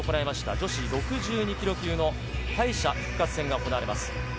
女子６２ｋｇ級の敗者復活戦が行われます。